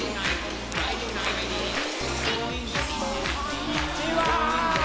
こんにちは！